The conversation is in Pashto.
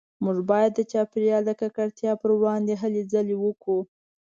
موږ باید د چاپیریال د ککړتیا پروړاندې هلې ځلې وکړو